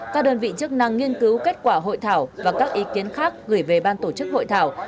các đơn vị chức năng nghiên cứu kết quả hội thảo và các ý kiến khác gửi về ban tổ chức hội thảo